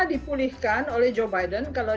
dipulihkan oleh joe biden kalau